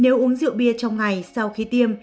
nếu uống rượu bia trong ngày sau khi tiêm